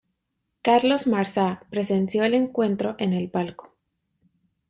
Carlos Marsá presenció el encuentro en el palco.